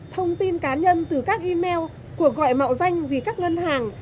thông tin cá nhân từ các email cuộc gọi mạo danh vì các ngân hàng